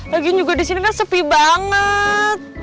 lagian juga disini kan sepi banget